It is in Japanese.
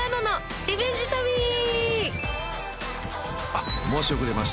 ［あっ申し遅れました］